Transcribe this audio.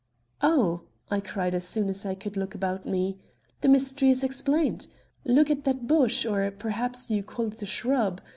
"Oh," I cried as soon as I could look about me; "the mystery is explained. Look at that bush, or perhaps you call it a shrub.